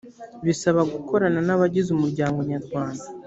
bisaba gukorana n’abagize umuryango nyarwanda